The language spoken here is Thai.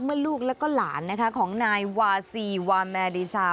ลูกแล้วก็หลานของนายวาซีวาแมดีซา